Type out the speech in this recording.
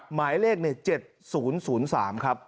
หมายเลข๗๐๐๓ครับ